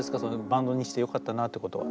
バンドにしてよかったなってことは。